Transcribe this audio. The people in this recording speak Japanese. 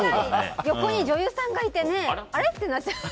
横に女優さんがいたらあれ？ってなっちゃう。